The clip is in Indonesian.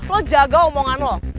lu jaga omongan lu